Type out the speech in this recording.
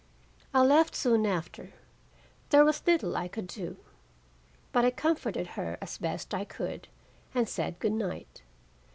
I left soon after. There was little I could do. But I comforted her as best I could, and said good night.